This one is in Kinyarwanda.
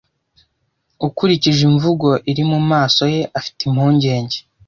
Ukurikije imvugo iri mu maso ye, afite impungenge.